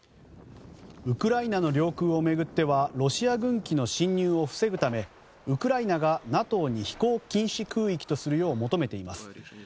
ウクライナの領空を巡ってはロシア軍機の侵入を防ぐためウクライナがＮＡＴＯに飛行禁止空域とするよう求めています。